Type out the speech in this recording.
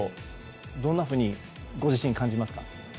どんなふうにご自身、感じますか？